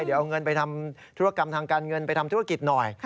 เดี๋ยวเอาเงินไปทำธุรกรรมทางการเงินไปทำธุรกิจหน่อย